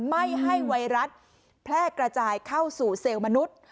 ไม่ให้ไวรัสแพร่กระจายเข้าสู่เซลล์มนุษย์